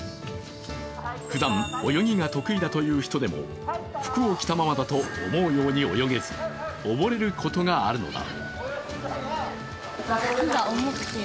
ふだん泳ぎが得意だという人でも服を着たままだと思うように泳げず溺れることがあるのだ。